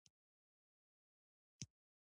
زړه چې زیات له سرو زرو او ماله دی.